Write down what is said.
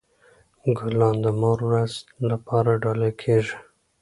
ګلان د مور ورځ لپاره ډالۍ کیږي.